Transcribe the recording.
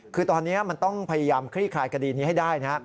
คือตอนนี้มันต้องพยายามคลี่คลายคดีนี้ให้ได้นะ